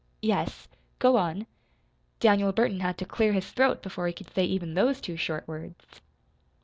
"Yes, go on." Daniel Burton had to clear his throat before he could say even those two short words.